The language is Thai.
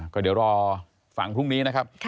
ก็เดี๋ยวรอฝั่งพรุ่งนี้นะครับ